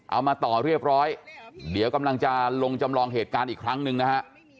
เอามาต่อเรียบร้อยเดี๋ยวกำลังจะลงจำลองเหตุการณ์อีกครั้งหนึ่งนะฮะ